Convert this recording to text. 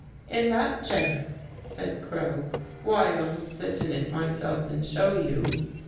"' In that chair? ' said Crow. ' Why, I'll sit in it myself and show you.